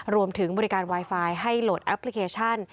รวมถึงบริการไวไฟให้โหลดแอปพลิเคชัน